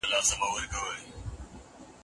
په قلم خط لیکل د ستړیا سره د مبارزې تمرین دی.